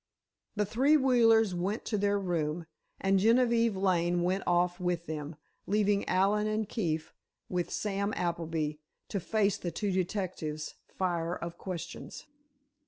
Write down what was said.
The three Wheelers went to their room, and Genevieve Lane went off with them, leaving Allen and Keefe, with Sam Appleby, to face the two detectives' fire of questions.